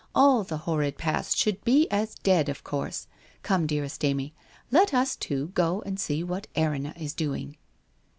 All the horrid past should be as dead, of course. Come, dearest Amy, let us two go and see what Erinna is doing.'